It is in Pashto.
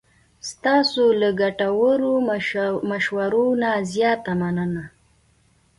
ستاسو له ګټورو مشورو نه زیاته مننه.